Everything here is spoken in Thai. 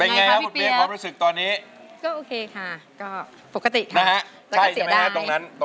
เป็นอย่างไรมารู้สึกไงครับพี่เปี๊ยบเป็นอย่างไรครับผมรู้สึกตอนนี้